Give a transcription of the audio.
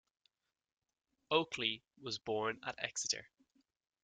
Ockley was born at Exeter.